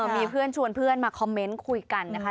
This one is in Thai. มีเพื่อนชวนเพื่อนมาคอมเมนต์คุยกันนะคะ